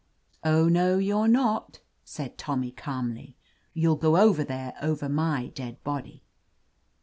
"Oh, no; you're not," said Tommy calmly. '* You'll go there over my dead body."